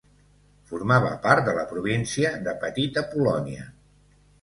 Formava part de la província de Petita Polònia.